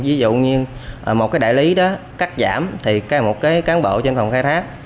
ví dụ như một cái đại lý đó cắt giảm thì một cái cán bộ trên phòng khai thác